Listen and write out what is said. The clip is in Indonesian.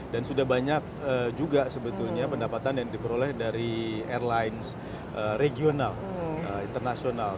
dan sudah banyak juga sebetulnya pendapatan yang diperoleh dari airlines regional internasional